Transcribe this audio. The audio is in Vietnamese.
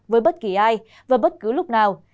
với bất kỳ ai và bất cứ lúc nào